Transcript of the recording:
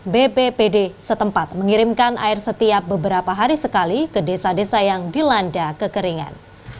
bppd setempat mengirimkan air setiap beberapa hari sekali ke desa desa yang dilanda kekeringan